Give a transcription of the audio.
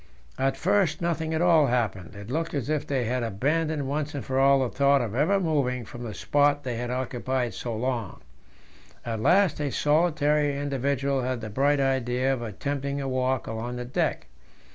At first nothing at all happened; it looked as if they had abandoned once for all the thought of ever moving from the spot they had occupied so long At last a solitary individual had the bright idea of attempting a walk along the deck.